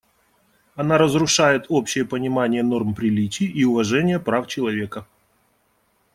Она разрушает общее понимание норм приличий и уважение прав человека.